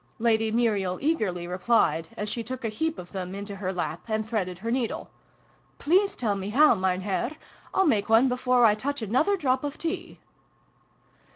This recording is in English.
Lady Muriel eagerly replied, as she took a heap of them into her lap, and threaded her needle. " Please tell me how, Mein Herr! I'll make one before I touch another drop of tea